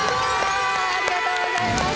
ありがとうございます。